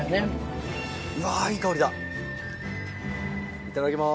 いただきます。